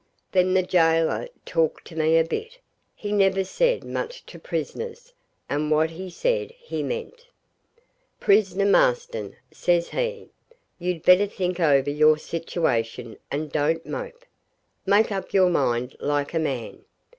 Then the gaoler talked to me a bit. He never said much to prisoners, and what he said he meant. 'Prisoner Marston,' says he, 'you'd better think over your situation and don't mope. Make up your mind like a man.